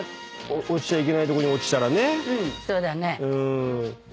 落ちちゃいけない所に落ちたらね。